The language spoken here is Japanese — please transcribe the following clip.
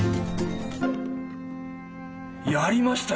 やりましたよ！